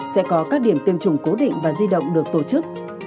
sẽ có các điểm tiêm chủng cố định và di động được tổ chức